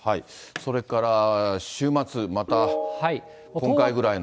それから週末、また今回ぐらいの。